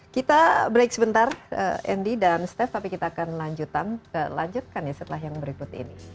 kita break sebentar andy dan steph tapi kita akan lanjutkan setelah yang berikut ini